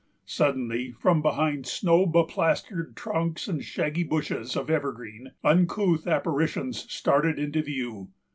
Suddenly, from behind snow beplastered trunks and shaggy bushes of evergreen, uncouth apparitions started into view.